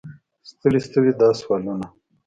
ستړي ستړي دا سوالونه.